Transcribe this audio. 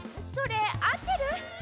それあってる？